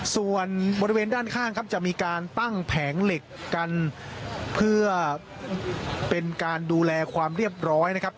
ส่วนบริเวณด้านข้างครับจะมีการตั้งแผงเหล็กกันเพื่อเป็นการดูแลความเรียบร้อยนะครับ